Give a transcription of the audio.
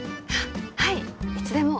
はいいつでも。